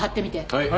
はい。